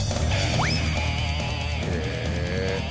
へえ。